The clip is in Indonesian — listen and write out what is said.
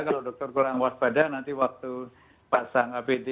kalau dokter kurang waspada nanti waktu pasang apd